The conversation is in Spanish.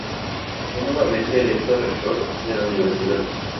Fue nuevamente electo rector de la Universidad.